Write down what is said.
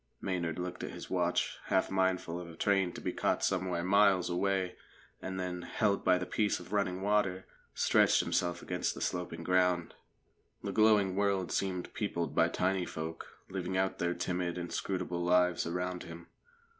Maynard looked at his watch, half mindful of a train to be caught somewhere miles away, and then, held by the peace of running water, stretched himself against the sloping ground. The glowing world seemed peopled by tiny folk, living out their timid, inscrutable lives around him.